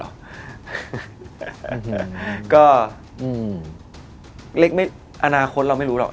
เหล็กอนาคตเราไม่รู้หรอก